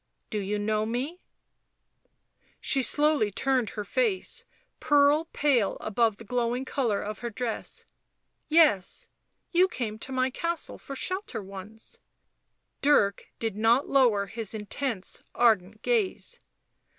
" Do you know me V 3 She slowly turned her face, pearl pale above the glowing colour of her dress. " Yes, you came to my castle for shelter once." Dirk did not lower his intense, ardent gaze.